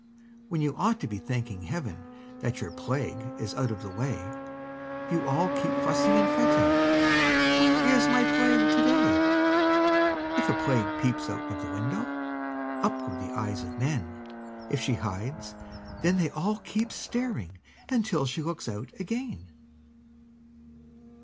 When you ought to be thanking Heaven That your plague is out of the way, You all keep fussing and fretting "Where is my Plague to day?" If a Plague peeps out of the window, Up go the eyes of men; If she hides, then they all keep staring Until she looks out again.